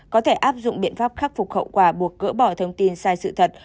có thể áp dụng biện pháp khắc phục khẩu quả buộc cỡ bỏ thông tin sai sự thật